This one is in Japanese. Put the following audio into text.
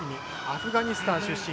アフガニスタン出身。